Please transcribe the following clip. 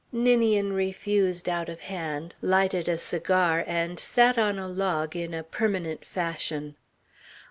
Ninian refused out of hand, lighted a cigar, and sat on a log in a permanent fashion.